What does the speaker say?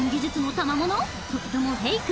それともフェイク？